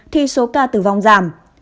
thì số ca tử vong giảm